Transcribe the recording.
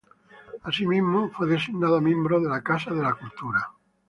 Así mismo fue designada miembro de la Casa de la Cultura.